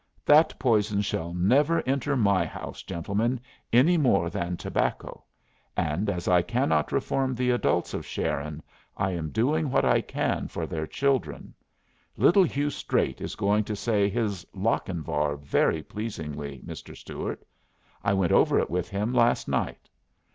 "That poison shall never enter my house, gentlemen, any more than tobacco. And as I cannot reform the adults of Sharon, I am doing what I can for their children. Little Hugh Straight is going to say his 'Lochinvar' very pleasingly, Mr. Stuart. I went over it with him last night.